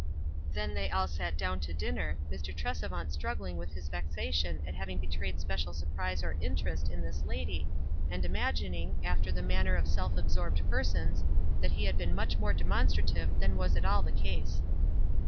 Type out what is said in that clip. Then they all sat down to dinner, Mr. Tres evant struscsrlinsr with his vexation at bavins: betrayed special surprise or interest in this lady, and imagining, after the manner of self absorbed persons, that he had been much more demonstrative than was at all the case.